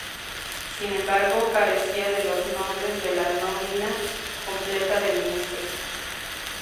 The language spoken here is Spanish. Sin embargo, carecía de los nombres de la nómina completa de ministros.